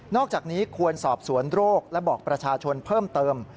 อกจากนี้ควรสอบสวนโรคและบอกประชาชนเพิ่มเติม